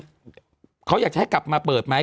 ชาวบ้านก็ส่งมาบอกว่าคือเขาอยากจะให้กลับมาเปิดไหม